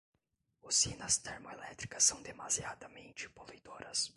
Usinas termoelétricas são demasiadamente poluidoras